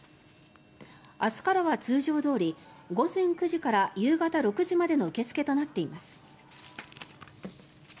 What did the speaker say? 明日からは通常どおり午前９時から夕方６時までの受け付けとなっています。